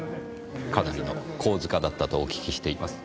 かなりの好事家だったとお聞きしています。